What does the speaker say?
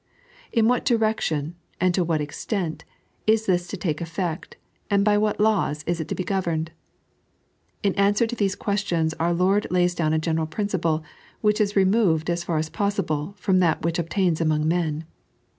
In what direction, and to what extent, is this to take effect, and by what laws is it to be governed t In answer to these questions our Lord lays down a general principle, which is removed ea far as posdble from that which obtains among men.